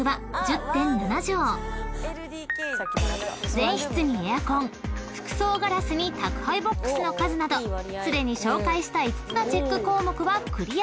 ［全室にエアコン複層ガラスに宅配ボックスの数などすでに紹介した５つのチェック項目はクリア］